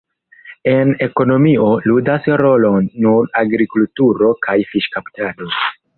En ekonomio ludas rolon nur agrikulturo kaj fiŝkaptado.